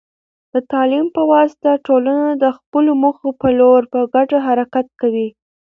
د تعلیم په واسطه، ټولنه د خپلو موخو په لور په ګډه حرکت کوي.